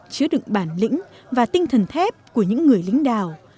chứa đựng bản lĩnh và tinh thần thép của những người lính đảo